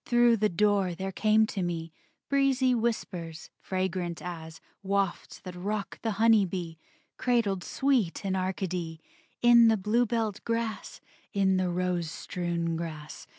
Through the door there came to me Breezy whispers, fragrant as Wafts that rock the honey bee, Cradled sweet in Arcady, In the bluebelled grass, In the rose strewn grass.